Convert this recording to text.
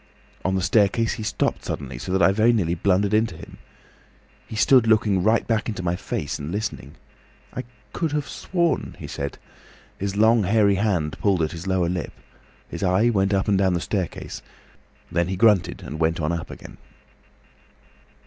"On the staircase he stopped suddenly, so that I very nearly blundered into him. He stood looking back right into my face and listening. 'I could have sworn,' he said. His long hairy hand pulled at his lower lip. His eye went up and down the staircase. Then he grunted and went on up again.